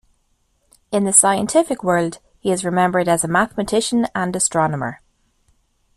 In the scientific world he is remembered as a mathematician and astronomer.